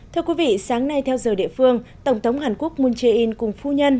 thưa quý vị sáng nay theo giờ địa phương tổng thống hàn quốc moon jae in cùng phu nhân